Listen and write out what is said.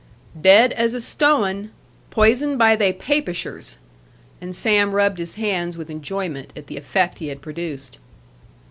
'Dead as a sto un: poisoned by they Papishers.' And Sam rubbed his hands with enjoyment, at the effect he had produced.